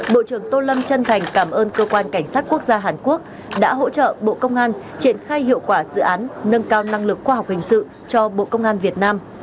bộ trưởng tô lâm chân thành cảm ơn cơ quan cảnh sát quốc gia hàn quốc đã hỗ trợ bộ công an triển khai hiệu quả dự án nâng cao năng lực khoa học hình sự cho bộ công an việt nam